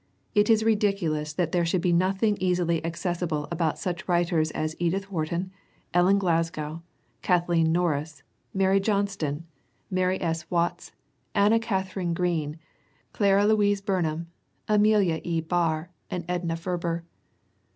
It is ridiculous that there should be nothing easily ac cessible about such writers as Edith Wharton, Ellen Glasgow, Kathleen Norris, Mary Johnston, Mary S. INTRODUCTION xi Watts, Anna Katharine Green, Clara Louise Burn ham, Amelia E. Barr and Edna' Ferber.